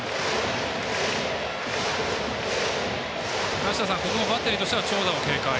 梨田さん、ここもバッテリーとしては長打を警戒。